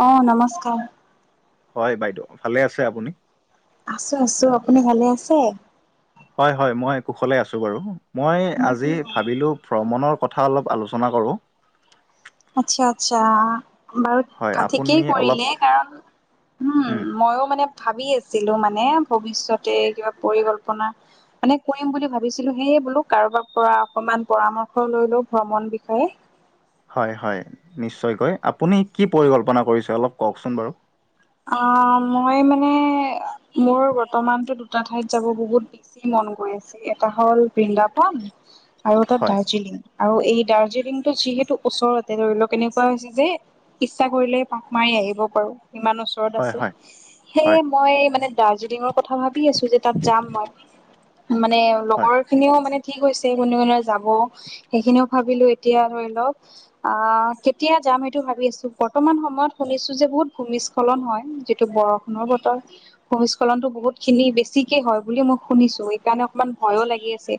অ নমস্কাৰ হয় বাইদেউ ভালে আছে আপুনি? আছো আছো আপুনি ভালে আছে? হয় হয় মই কুশলে আছো বাৰু মই আজি ভাবিলো ভ্ৰমণৰ কথা অলপ আলোচনা কৰোঁ। আচ্ছা আচ্ছা। বাৰু হয় ঠিকেই আপুনি অলপ কৰিলে কাৰণ উম মইও মানে ভাবি আছিলো মানে ভৱিষ্যতে কিবা পৰিকল্পনা মানে কৰিম বুলি ভাবিছিলো সেয়ে বোলো কাৰোবাৰ পৰা অকমান পৰামৰ্শ লৈ লো ভ্ৰমণ বিষয়ে। হয় হয় নিশ্চয়কৈ আপুনি কি পৰিকল্পনা কৰিছে অলপ কওকচোন বাৰু। অ মই মানে মোৰ বৰ্তমানতো দুটা ঠাইত যাব বহুত বেছি মন গৈ আছে এটা হ'ল বৃন্দাবন আৰু এটা হয় দাৰ্জিলিং। আৰু এই দাৰ্জিলিংটো যিহেতু ওচৰতে ধৰি লওক এনেকুৱা হৈছে যে ইচ্ছা কৰিলে পাক মাৰি আহিব পাৰো ইমান ওচৰত হয় আছে হয় সেয়ে হয় মই মানে দাৰ্জিলিঙৰ কথা ভাবি আছো যে তাত যাম মই মানে হয় লগৰ খিনিও মানে কি কৈছে কোনে কোনে যাব সেইখিনিও ভাবিলো এতিয়া ধৰি লওক অ কেতিয়া যাম সেইটো ভাবি আছো বৰ্তমান সময়ত শুনিছো যে বহুত ভূমিস্খলন হয় যিটো বৰষুণৰ বতৰ। ভূমিস্খলনতো বহুত খিনি বেছিকে হয় বুলি মই শুনিছো সকাৰণে অকমান ভয়ও লাগি আছে।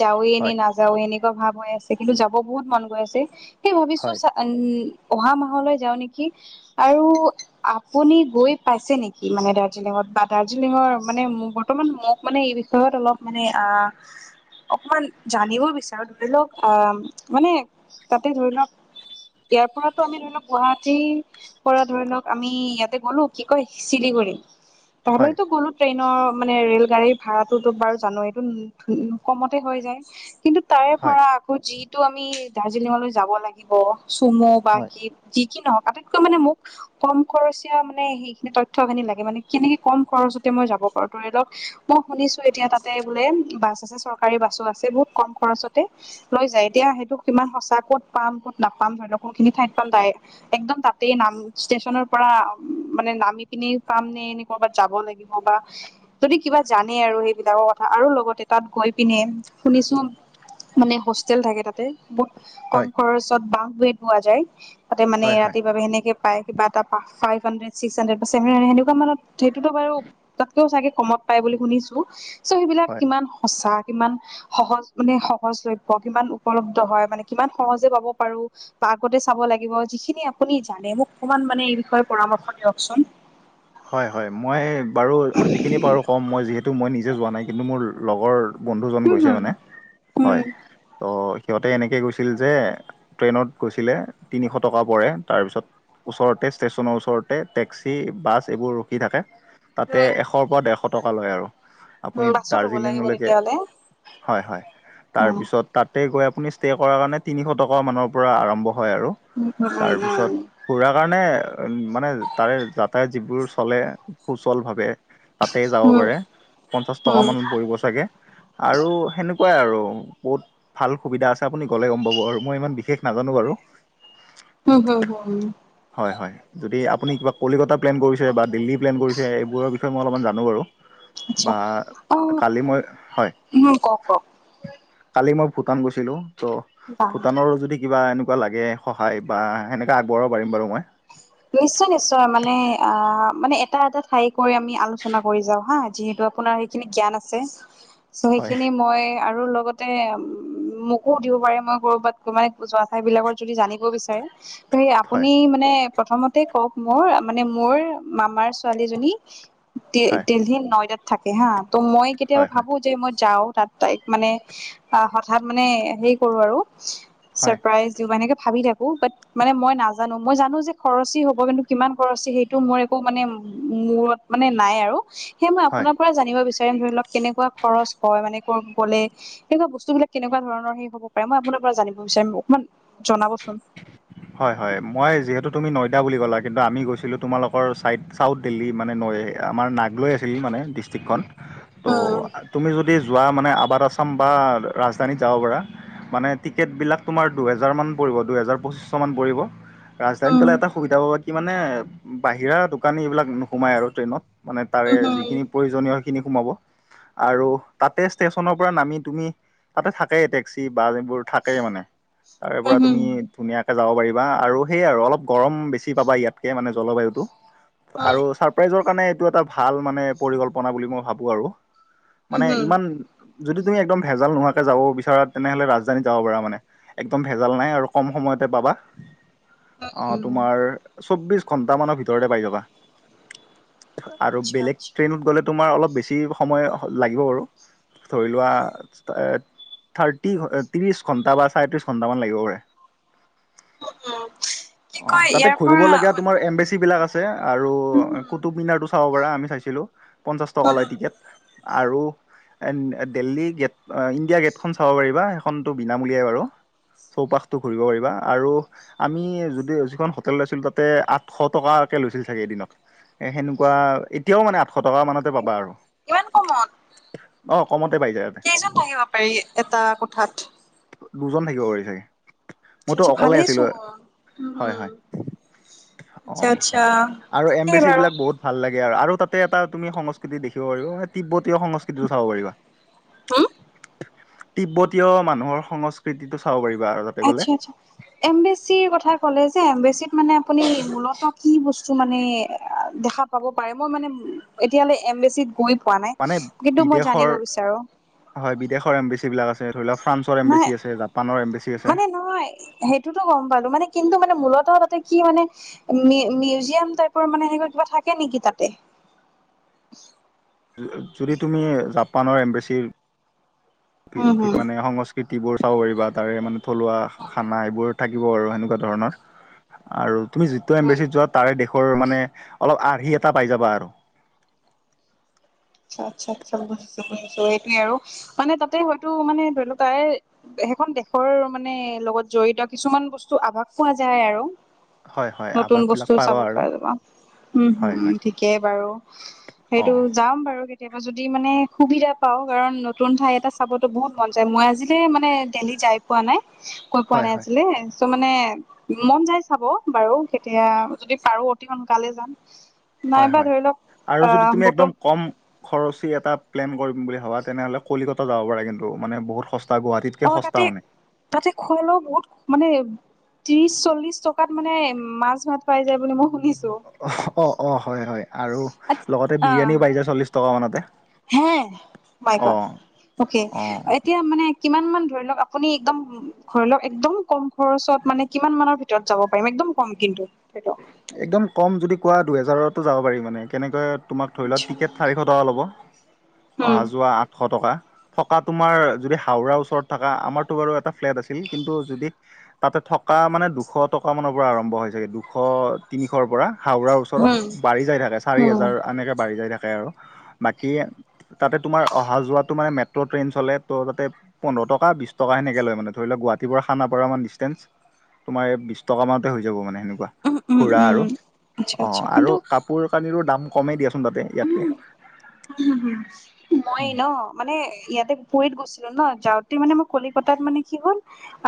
যাৱওৱে নে হয় নাযাওে এনেকুৱা ভাৱ হৈ আছে কিন্তু যাব বহুত মন গৈ আছে সেই ভাবিছো হয় উম অহা মাহলৈ যাওঁ নেকি আৰু আপুনি গৈ পাইছে নেকি মানে দাৰ্জিলিঙত বা দাৰ্জিলিঙৰ মানে ম বৰ্তমান মোক মানে এই বিষয়ত অলপ মানে আহ অকমান জানিব বিচাৰো ধৰি লওক আহ মানে তাতে ধৰি লওক ইয়াৰ পৰাতো আমি ধৰি লওক গুৱাহাটীৰ পৰা ধৰি লওক আমি ইয়াতে গ'লো কি কয় শিলিগুৰি হয় তালৈতো গ'লো। ট্ৰেইনৰ মানে ৰেল গাড়ীৰ ভাড়াটোতো বাৰু জানো এইটো কমতে হৈ যায়। কিন্তু তাৰে হয় পৰা আকৌ যিটো আমি দাৰ্জিলিঙলৈ যাব লাগে চুমু বা হয় হয় কি যি কি নহওক আটাইতকৈ মানে মোক কম খৰচীয়া মানে সেইখিনি তথ্যখিনি লাগে মানে কেনেকে কম খৰচতে মই যাব পাৰো ধৰি লওক মই শুনিছো এতিয়া তা তে বোলে বাছ আছে চৰকাৰী বাছো আছে বহুত কম খৰচতে লৈ যায় এতিয়া সেইটো সমান সঁচা ক'ত পাম ক'ত নাপাম ধৰি লওক কোনখিনি ঠাইত পাম একদম তাতেই নাম ষ্টেচনৰ পৰা মানে নামি পিনি পামনে এনে ক'বাত যাব লাগিব বা যদি কিবা জানে আৰু সেইবিলাকৰ কথা আৰু লগতে তাত গৈ পিনে শুনিছো মানে হোষ্টেল থাকে তাতে। বহুত কম হয় খৰচত বাহ বেত পোৱা যায় তাতে মানে হয় ৰাতিৰ বাবে সেনেকে পাই কিবা এটা ফাইভ হানড্ৰেদ ছিক্স হানড্ৰেট বা ছেভেন হাইড্ৰেট কেনেকুৱা মানত সেটোটো বাৰু তাতকেও চাগে কমত পাই বুলি শুনিছো চ' সেইবিলাক হয় কিমান সঁচা কিমান সহজ মানে সহজলভ্য কিমান উপলব্ধ হয় মানে কিমান সহজে পাব পাৰো বা আগতে চাব লাগিব যিখিনি আপুনি জানে মোক অকমান মানে এই বিষয়ে পৰামৰ্শ দিয়কচোন। হয় হয় মই বাৰু যিখিনি পাৰো ক'ম মই যিহেতু মই নিজে যোৱা নাই কিন্তু মোৰ লগৰ বন্ধুজন উম গৈছে হম মানে উম হয়। তো সিহঁতে এনেকৈ গৈছিল যে ট্ৰেইনত গৈছিলে তিনিশ টকা পৰে তাৰপিছত ওচৰতে ষ্টেচনৰ ওচৰতে টেক্সি, বাছ এইবোৰ ৰখি থাকে তাতে এশৰ পৰা ডেৰশ টকা লয় আৰু। আপুনি বাছত হ'ব লাগিব দাৰ্জিলিঙলৈকে তেতিয়াহ'লে হয় হয় উম তাৰপিছত, তাতে গৈ আপুনি ষ্টে' কৰাৰ কাৰণে তিনিশ টকা মানৰ পৰা আৰম্ভ হয় আৰু উম উম তাৰপিছত- খুৰা কাৰণে উম মানে তাৰে যাতায়ত- যিবোৰ চলে- সুচল ভাৱে তাতে যাব উম উম উম পাৰে পঞ্চাশ টকা মান পৰিব চাগে। আৰু সেনেকুৱাই আৰু বহুত- ভাল সুবিধা আছে আপুনি গ'লে গম পাব আৰু মই ইমান বিশেষ নাজানো বাৰু। উম হুম হু হুম। হয় হয়, যদি আপুনি কিবা কলিকতা- প্লেন কৰিছে বা দিল্লী প্লেন কৰিছে এইবোৰৰ বিষয়ে মই অলমান জানো বাৰু। আচ্ছা বা অ কালি মই হয়। উম কওক কওক কালি মই ভূটান গৈছিলো ত' বা ভূটানৰ যদি কিবা এনেকুৱা লাগে- সহায় বা সেনেকে আগবঢ়াব পাৰিম বাৰু মই। নিশ্চয় নিশ্চয়, মানে অঁ মানে এটা এটা ঠাই কৰি আমি আলোচনা কৰি যাও হা যিহেতু আপোনাৰেই- সেইখিনি জ্ঞান আছে। [inaudible] চৌ' সেইখিনি মই আৰু লগত- তে মোকো সুদিব পাৰে মই কৰ'বাত মানে যোৱা ঠাই বিলাকৰ যদি জানিব বিচাৰে। সেই হয় আপুনি মানে প্ৰথমতে কওক মোৰ মানে মোৰ মামাৰ ছোৱালীজনী- হয় দিল্হিত নয়দাত থাকে হাঁ ত' মই হয় কেতিয়াবা হয় ভাবো যে মই যাও তাত- তাইক মানে আহ হঠাৎ মানে হেই কৰো আৰু- হয় চাৰপ্ৰাইজ দিওঁ এনেকে ভাবি থাকো বাত মানে মই নাজানো মই জানো যে- খৰচী হ'ব কিন্তু কিমান খৰচী সেইটো ময় একো মানে মূৰত মানে নাই আৰু। সেইয়ে মই হয়, আপোনাৰ পৰা জানিব বিচাৰিম ধৰি লওক কেনেকুৱা খৰচ হয় মানে ক গ'লে। এনেকুৱা বস্তু বিলাক কেনেকুৱা ধৰণৰ সেই হ'ব পাৰে মই আপোনাৰ পৰা জানিব বিচাৰিম অকমান জনাবচোন। হয় হয়, মই যিহেতু তুমি নয়দা বুলি ক'লা কিন্তু আমি গৈছিলো তোমালোকৰ ছাইদ- চাউথ দিল্লী মানে নৈ আমাৰ নাগ লৈ আছিল মানে ডিষ্ট্ৰিকখন ত'- উম তুমি যদি যোৱা মানে আবাদ আছাম বা ৰাজধানীত যাব পাৰা। মানে টিকেট বিলাক তোমাৰ দুহেজাৰ মান- পৰিব দুহেজাৰ পঁচিছ মান পৰিব ৰাজধানীত উম গ'লে এটা সুবিধা পাবা- কি মানে বাহিৰা দোকানী এইবিলাক নোসোমায় আৰু ট্ৰেইনত মানে তাৰে যিখিনি- প্ৰয়োজনীয় সেখিনি সোমাব। আৰু তাতে ষ্টেচনৰ পৰা নামি তুমি তাতে থাকেই টেক্সি বাছ এইবোৰ। থাকেই মানে তাৰে পৰাত- ধুনীয়াকে যাব পাৰিবা আৰু সেই আৰু অলপ গৰম বেছি পাবা ইয়াতকে মানে জলবায়ুটো। উম আৰু ছাৰপ্ৰাইজৰ কাৰণে এইটো এটা ভাল মানে পৰিকল্পনা বুলি মই ভাবো আৰু। মানে ইমান- যদি তুমি একদম ভেজাল নোহোৱাকে যাব বিচাৰা তেনেহলে ৰাজধানীত যাব পাৰা মানে একদম ভে- জাল নাই আৰু কম সময়তে পাবা অঁ উম তোমাৰ- চৌবিশ ঘন্টা মানৰ ভিতৰতে পাই যাবা আৰু আচ্ছা বেলেগ আচ্ছা ট্ৰেইনত গ'লে- তোমাৰ অলপ বেছি সময় লাগিব বাৰু। ধৰি লোৱা থাৰটি ট্ৰিচ ঘণ্টা বা ছাৰে ট্ৰিছ ঘন- টামান লাগিব পাৰে। উম কি অঁ কয় তাতে ইয়াৰ কৰিব পৰা লগীয়া তোমাৰ এম্বেচি বিলাক আছে। তাতে আৰু উম কুটুকমিনাৰটো চাব পাৰা আমি চাইছিলো পঞ্চাশ টকা লৈ টিকেট আৰু এন দিল্লী গেট ইণ্ডিয়া গেটখন চাব পাৰিবা সেইখনতো বিনামূলীয়াই বাৰু চৌপাশটো ঘূৰিব পাৰিবা আৰু আমি যদি যিখন হোটেল লৈছিলো তাতে আঠশ টকাকে লৈছিল চাগে এদিনত এ সেনেকুৱা ইত এতিয়াও মানে আঠশ টকা মানতে পাবা আৰু ইমান কমত অ কমতে পাই যায় কেইজন থাকিব পাৰি এটা কোঠাত দুজন থাকিব পাৰি চাগে আচ্ছা মইতো আচ্ছা অকলে ভালেই আছিলো চোন উম হয় হম হয় অ আচ্ছা আচ্ছা আৰু কি এম বিচি বাৰু বিলাক বহুত ভাল লাগে আৰু আৰু তাতে এটা তুমি সংস্কৃতি দেখিব পাৰিবা তিব্বতীয় সংস্কৃতিটো চাব পাৰিবা হুম তিব্বতীয় মানুহৰ সংস্কৃতিটো চাব পাৰিবা আৰু তাত আচ্ছা আচ্ছা এমবেচিৰ কথা ক'লে যে এমবেচিত মানে আপুনি মূলত কি বস্তু মানে দেখা পাব পাৰে মই মানে এতিয়ালে এমবেচিত গৈ পোৱা নাই মানে কিন্তু মই বিদেশৰ জানিব বিচাৰো হয় বিদেশৰ এম্বেচী বিলাক আছে ধৰি লওক ফ্ৰান্সৰ নাই এম্বেচি আছে জাপানৰ এম্বেচি আছে মানে নহয় সেইটোতো গম পালো মানে কিন্তু মানে মূলতঃ তাতে কি মানে মিউ মিউজিয়াম টাইপৰ মানে সেনেকা কিবা থাকে নেকি তাতে যদি তুমি জাপানৰ এম্বেচিৰ হম হম [unintelligible] সংস্কৃতিবোৰ চাব পাৰিবা তাৰে মানে থলুৱা খানা এইবোৰ থাকিব আৰু সেনেকুৱা ধৰণৰ আৰু তুমি যিটো এম্বেচিত যোৱা তাৰে দেশৰ মানে অলপ আৰ্হি এটা পাই যাবা আৰু আচ্ছা আচ্ছা আচ্ছা বুজিছো বুজিছো এইটোৱে আৰু মানে তাতে হয়তো মানে ধৰি লও তাই সেইখন দেশৰ মানে লগত জড়িত কিছুমান বস্তু আভাস পোৱা যায় আৰু হয় হয় নতুন আৱাস বিলাক বস্তু পাবা চাব আৰু পৰা যাব উম হয় হুম হয় ঠিকেই বাৰু অ সেইটো যাম বাৰু আৰু কেতিয়াবা যদি মানে সুবিধা পাওঁ কাৰণ নতুন ঠাই এটা চাবতো বহুত মন যায় মই আজিলে মানে দেল্লী যাই পোৱা নাই কৈ পোৱা হয় নাই হয় আজিলে চ মানে মন যায় চাব বাৰু কেতিয়া যদি পাৰো অতি সোনকালে যাম হয় নাইবা হয় ধৰি লওক আৰু যদি আহ তুমি বতৰ একদম কম খৰচী এটা প্লেন কৰিম বুলি ভাবা তেনেহ'লে কলিকতা যাব পাৰে কিন্তু মানে বহুত সস্তা গুৱাহাটীত অ তাতে তাতে খোৱা লোৱাও বহুত মানে ত্ৰিশ চল্লিশ টকাত মানে মাছ ভাত পাই যায় বুলি মই শুনিছো অ অ অ হয় হয় আৰু লগতে অ বিৰিয়ানীও পাই যায় চল্লিশ টকা মানতে হে মাইকা অ', অক অ', এতিয়া মানে কিমান মান ধৰি লওক আপুনি একদম ধৰি লওক একদম কম খৰচত মানে কিমান মানৰ ভিতৰত ত যাব পাৰিম একদম কম কিন্তু লওক একদম কম যদি কোৱা দুহেজাৰতো যাব পাৰি মানে কেনেকৈ তোমাক ধৰি লোৱা টিকেট চাৰিশ টকা ল'ব অহা উম যোৱা আঠশ টকা থকা তোমাৰ যদি হাওৰা ওচৰত থকা আমাৰতো বাৰু এটা ফ্লেট আছিল কিন্তু যদি তাতে থকা মানে দুশ টকা মানৰ পৰা আৰম্ভ হয় চাগে দু দুশ তিনিশৰ পৰা হাওৰাৰ ওচৰত উম বাঢ়ি যায় থাকে চাৰি উম হেজাৰ আনেকে বাঢ়ি যাই থাকে আৰু বাকি তাতে তোমাৰ অহা যোৱাতো মানে মেট্ৰ ট্ৰেইন চলে ত' তাতে পোন্ধৰ টকা, বিশ টকা সেনেকে লয় মানে ধৰি লোৱা, গুৱাহাটীৰ পৰা খানাপাৰা মান ডিষ্টেঞ্চ। তোমাৰ এই বিশ টকা মানতে হৈ যাব মানে সেনেকুৱা। উম উম ফুৰা আৰু উম আচ্ছা অ', আচ্ছা আৰু কিন্তু কাপোৰ কানিৰো দাম কমেই দিয়াচোন তাতে। ইয়াতকে [unintelligible] মই ন। মানে ইয়াতে কুৱেইট গৈছিলো ন যাওঁতে মানে মোৰ কলিকতাত মানে কি হ'ল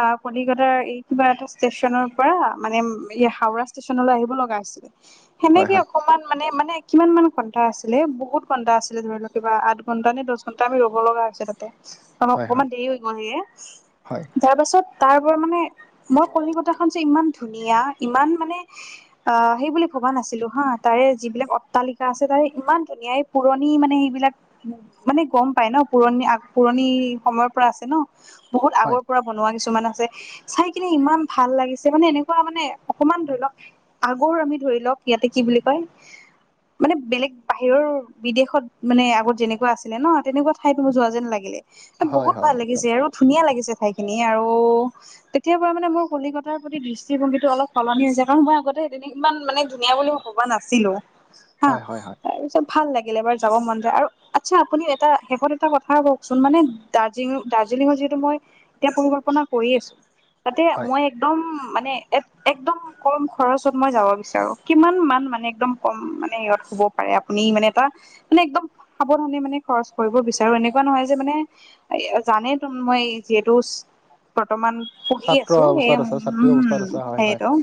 আ কলিকতাৰ এই কিবা এটা ষ্টেচনৰ পৰা মানে হাওৰা ষ্টেচনলৈ আহিব লগা আছিল। হয় সেনেকে হয় অকমান মানে, মানে কিমান মান ঘন্টা আছিলে, বহুত ঘণ্টা আছিলে, ধৰি লওক কিবা আঠ ঘণ্টা নে দহ ঘন্টা আমি ৰ'ব লগা হৈছে তাতে। অ' হয় হয় অকমান দেৰি হৈ গ'ল সেয়ে, হয়। তাৰ পাছত তাৰ পৰা মানে মই কলিকতা খন যে ইমান ধুনীয়া ইমান মানে, আ সেই বুলি ভবা নাছিলো হা তাৰে যিবিলাক অট্টালিকা আছে, তাৰে ইমান ধুনীয়া এই পুৰণি মানে সেইবিলাক মানে গম পাই ন পুৰণি, আগ পুৰণি সময়ৰ পৰা আছে ন, বহুত হয় আগৰ পৰা বনোৱা কিছুমান আছে, চাই কিনে ইমান ভাল লাগিছে মানে এনেকুৱা মানে অকমান ধৰি লওক আগৰ আমি ধৰি লওক ইয়াতে কি বুলি কয় মানে বেলেগ বাহিৰৰ, বিদেশত মানে আগত যেনেকুৱা আছিলে ন তেনেকুৱা ঠাইত মোৰ যোৱা যেন লাগিলে। হয় বহুত হয় ভাল একদম লাগিছে আৰু ধুনীয়া লাগিছে ঠাইখিনি, আৰু তেতিয়া পৰা মানে মোৰ কলিকতাৰ প্ৰতি দৃষ্টিভংগীটো অলপ সলনি হৈছে, কাৰণ মই আগতে তেনে ইমান মানে ধুনীয়া বুলি ভবা নাছিলো, হা, হয় হয় হয় তাৰ পিছত ভাল লাগিল এবাৰ যাব মন যায় আৰু আচ্ছা, আপুনি এটা শেষত এটা কথা কওকচোন মানে দাৰ্জিলং, দাৰ্জিলিঙৰ যিহেতু মই এতিয়া পৰিকল্পনা কৰি আছো, তাতে হয় মই একদম, মানে একদম কম খৰচত মই যাব বিচাৰো, কিমান মান মানে একদম কম মানে মে সিহত হ'ব পাৰে আপুনি মানে এটা মানে একদম সাৱধানে মানে খৰচ কৰিব বিচাৰো এনেকুৱা নহয় যে মানে জানেই তো, মই যিহেতু, বৰ্তমান পঢ়ি ছাত্ৰ আছো, সেই, অৱস্থাত আছা ছাত্ৰী অৱস্থাত উম আছা হয় হয় সেইটো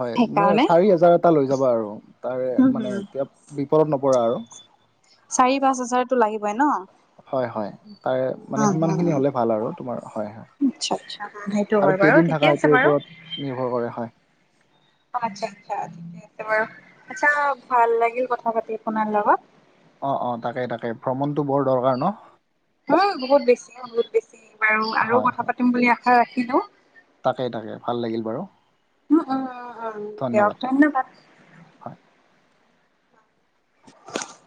হয় মই চাৰি হাজাৰ এটা লৈ যাবা আৰু, তাৰে উম মানে হম এতিয়া বিপদত নপৰা আৰু। চাৰি পাঁচ হাজাৰতো লাগিবই ন। হয় হয়, তাৰে অ মানে অ সিমানখিনি হলে ভাল আৰু তোমাৰ হয়, হয়। আচ্ছা আচ্ছা, সেইটো আৰু হয় বাৰু কেইদিন ঠিকে থাকা আছে সেইটোৰ বাৰু। ওপৰত নিৰ্ভৰ কৰে হয়। আচ্ছা আচছা, ঠিকে আছে বাৰু, আচ্ছা ভাল লাগিল কথা পাতি আপোনাৰ লগত। অ' অ', তাকেই তাকেই ভ্ৰমণটো বৰ দৰকাৰ ন। উম, বহুত বেছি, বহুত বেছি, বাৰু আৰু হয় কথা হয় পাতিম বুলি আশা ৰাখিলো। উ তাকে তাকে ভাল লাগিল বাৰু উম, উম, উম দিয়ক ধন্যবাদ। [unintelligible]